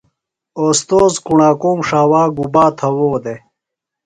اوستوذ کُݨاکوم ݜاوا گُبا تھوؤ دےۡ؟